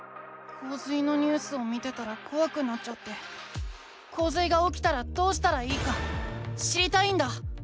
こう水のニュースを見てたらこわくなっちゃってこう水がおきたらどうしたらいいか知りたいんだ。